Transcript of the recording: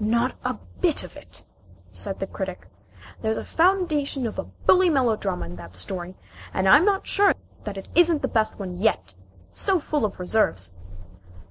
"Not a bit of it," said the Critic. "There's the foundation of a bully melodrama in that story, and I'm not sure that it isn't the best one yet so full of reserves."